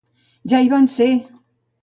Ja hi van ser!